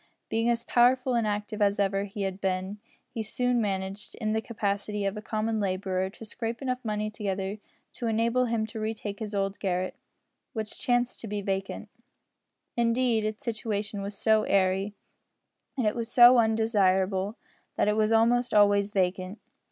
Being as powerful and active as ever he had been, he soon managed, in the capacity of a common labourer, to scrape enough money together to enable him to retake his old garret, which chanced to be vacant. Indeed its situation was so airy, and it was so undesirable, that it was almost always vacant.